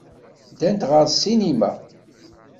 Ddant ɣer ssinima.